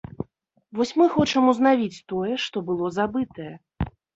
Вось мы хочам узнавіць тое, што было забытае.